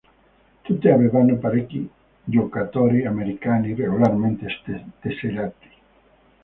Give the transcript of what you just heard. Tutte avevano parecchi giocatori americani regolarmente tesserati.